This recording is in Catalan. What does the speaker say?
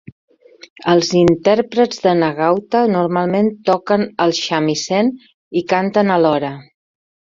Els intèrprets de Nagauta normalment toquen el shamisen i canten alhora.